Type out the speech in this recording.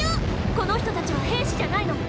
この人たちは兵士じゃないの。